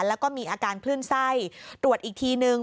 แล้วก็มีอาการคลื่นไส้ตรวจอีกทีนึง